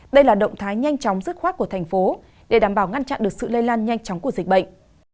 đây là động thái nhanh chóng dứt khoác của thành phố để đảm bảo ngăn chặn được sự lây lan nhanh chóng của dịch bệnh